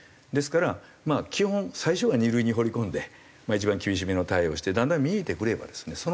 ですから基本最初は２類に放り込んで一番厳しめの対応をしてだんだん見えてくればですね